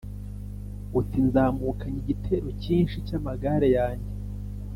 uti Nzamukanye igitero cyinshi cy amagare yanjye